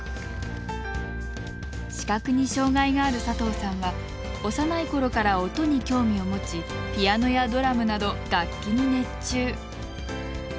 視覚に障がいがある佐藤さんは幼いころから音に興味を持ちピアノやドラムなど楽器に熱中。